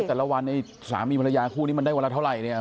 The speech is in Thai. แต่ละวันเนี่ยสามีภรรยาคู่นี้มันได้วันละเท่าไหร่เนี่ย